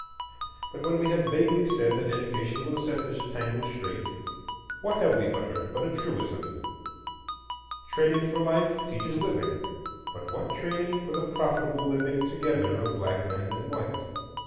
But when we have vaguely said that Education will set this tangle straight, what have we uttered but a truism? Training for life teaches living; but what training for the profitable living together of black men and white?